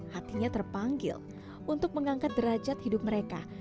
hatinya terpanggil untuk mengangkat derajat hidup mereka